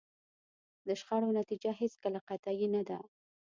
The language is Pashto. د شخړو نتیجه هېڅکله قطعي نه ده.